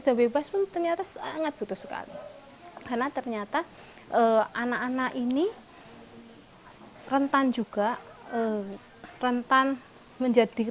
sudah bebas pun ternyata sangat butuh sekali karena ternyata anak anak ini rentan juga rentan menjadi